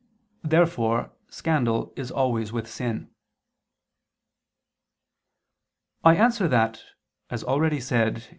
Therefore scandal is always with sin. I answer that, As already said (A.